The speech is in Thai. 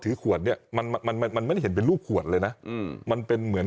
ขวดเนี้ยมันมันไม่ได้เห็นเป็นรูปขวดเลยนะอืมมันเป็นเหมือน